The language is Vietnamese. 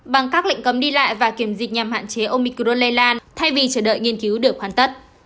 bằng các lệnh cấm đi lại và kiểm dịch nhằm hạn chế omicro lây lan thay vì chờ đợi nghiên cứu được hoàn tất